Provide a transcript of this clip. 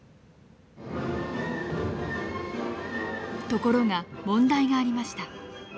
ところが問題がありました。